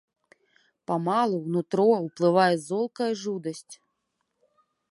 Памалу ў нутро ўплывае золкая жудасць.